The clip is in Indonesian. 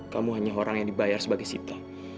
kamu hanya orang yang dibayar sebagai sita